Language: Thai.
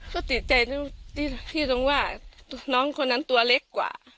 ก็ติดใจที่ตรงว่าน้องคนนั้นตัวเล็กกว่า